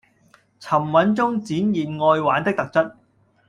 沉穩中展現愛玩的特質